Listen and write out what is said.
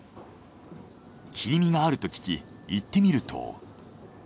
切り身があると聞き行ってみると。